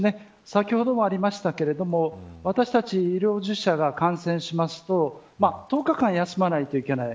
先ほどもありましたけれども私たち医療従事者が感染すると１０日間、休まないといけない。